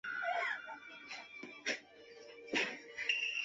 醮期由一日一夜至五日六夜不等。